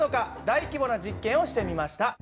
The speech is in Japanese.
大規模な実験をしてみました。